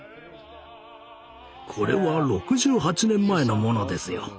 これは６８年前の物ですよ。